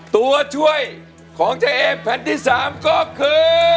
ตัวช่วยของเจ๊เอแผ่นที่๓ก็คือ